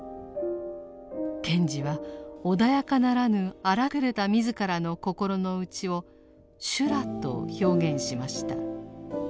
賢治は穏やかならぬ荒くれた自らの心の内を「修羅」と表現しました。